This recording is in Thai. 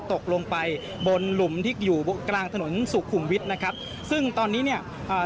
ตกลงไปบนหลุมที่อยู่กลางถนนสุขุมวิทย์นะครับซึ่งตอนนี้เนี่ยอ่า